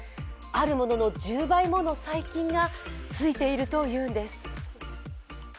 あるものの１０倍もの細菌がついているというんです。